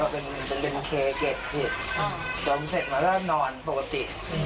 เดี๋ยวผมเสร็จมาเริ่มนอนปกติ